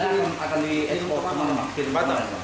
biasanya akan di airport ke batam